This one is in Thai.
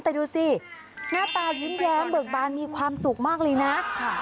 แต่ดูสิหน้าตายิ้มแย้มเบิกบานมีความสุขมากเลยนะ